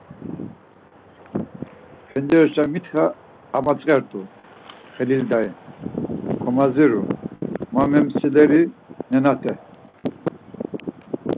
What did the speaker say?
“Pencereşa mitxa amatzert̆u Xelil Dai! Komaziru!” ma memsileri nenate.